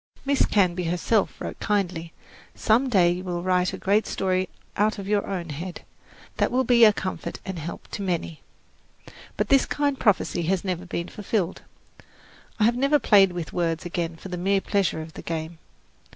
Miss Canby herself wrote kindly, "Some day you will write a great story out of your own head, that will be a comfort and help to many." But this kind prophecy has never been fulfilled. I have never played with words again for the mere pleasure of the game.